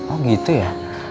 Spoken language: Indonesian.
oh gitu ya